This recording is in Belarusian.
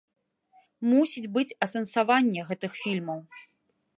Мусіць быць асэнсаванне гэтых фільмаў.